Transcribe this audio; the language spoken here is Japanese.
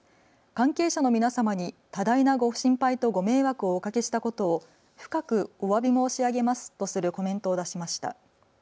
関係者の皆様に多大なご心配とご迷惑をおかけしたことを深くおわび申し上げますとするコメントを出しました。